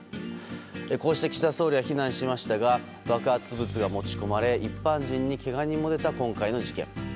こうして岸田総理は避難しましたが爆発物が持ち込まれ一般人にけが人が出た今回の事件。